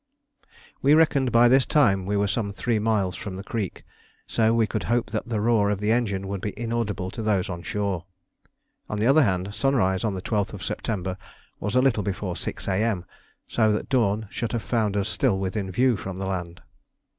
We reckoned that by this time we were some three miles from the creek, so we could hope that the roar of the engine would be inaudible to those on shore. On the other hand, sunrise on the 12th September was a little before 6 A.M., so that dawn should have found us still within view from the land.